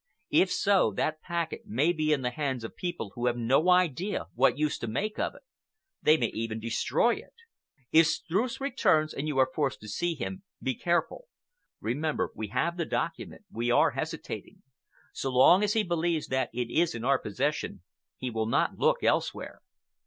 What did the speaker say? If so, that packet may be in the hands of people who have no idea what use to make of it. They may even destroy it. If Streuss returns and you are forced to see him, be careful. Remember, we have the document—we are hesitating. So long as he believes that it is in our possession, he will not look elsewhere."